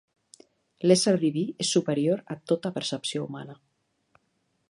L'Ésser Diví és superior a tota percepció humana.